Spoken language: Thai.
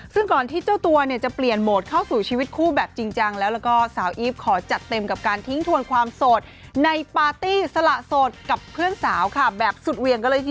ซึ่งก่อนที่เจ้าตัวจะเปลี่ยนโหมดเข้าสู่ชีวิตคู่แบบจริงแล้ว